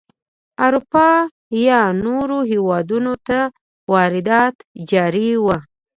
اروپا یا نورو هېوادونو ته واردات جاري وو.